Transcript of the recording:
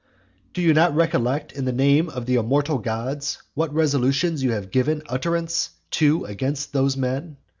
III. Do you not recollect, in the name of the immortal gods! what resolutions you have given utterance to against those men?